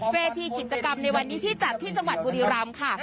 เวทีกิจกรรมในวันนี้ที่จัดที่จังหวัดบุรีรำค่ะ